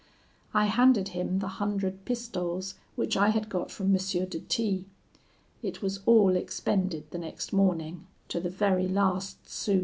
I handed him the hundred pistoles which I had got from M. de T ; it was all expended the next morning, to the very last sou.